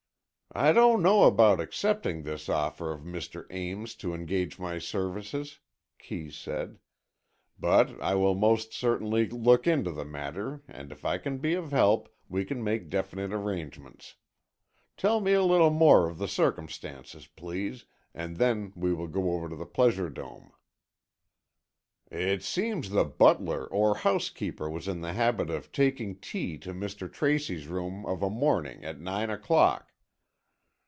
"I don't know about accepting this offer of Mr. Ames to engage my services," Kee said, "but I will most certainly look into the matter and if I can be of help we can make definite arrangements. Tell me a little more of the circumstances, please, and then we will go over to Pleasure Dome." "It seems the butler or housekeeper was in the habit of taking tea to Mr. Tracy's room of a morning, at nine o'clock.